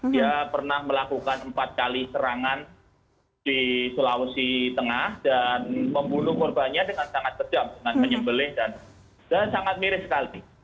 dia pernah melakukan empat kali serangan di sulawesi tengah dan membunuh korbannya dengan sangat kejam dengan menyembelih dan sangat mirip sekali